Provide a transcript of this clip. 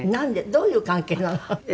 どういう関係なの？